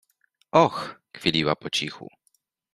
Och! — kwiliła po cichu.